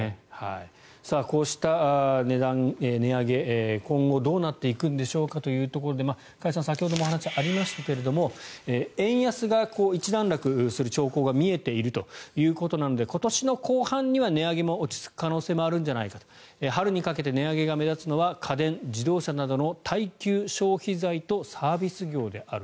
こうした値上げ今後どうなっていくんでしょうかというところで加谷さん先ほどもお話ありましたが円安が一段落する兆候が見えているということなので今年の後半には値上げも落ち着く可能性もあるんじゃないか春にかけて値上げが目立つのは家電・自動車などの耐久消費財とサービス業である。